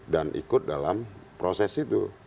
dan ikut dalam proses itu